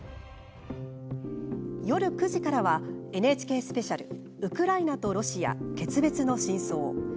夜９時からは「ＮＨＫスペシャルウクライナとロシア決別の深層」。